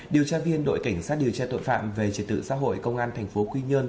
điều tra viên đội cảnh sát điều tra tội phạm về triệt tự xã hội công an thành phố quy nhơn